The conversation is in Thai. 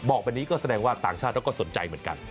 บอกแบบนี้ก็แสดงว่าต่างชาติเขาก็สนใจเหมือนกัน